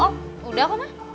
oh udah kok ma